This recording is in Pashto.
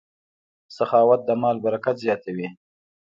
سخاوت د مال برکت زیاتوي.